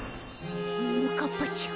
ももかっぱちゃん。